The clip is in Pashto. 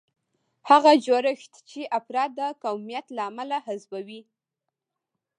هغه جوړښت چې افراد د قومیت له امله حذفوي.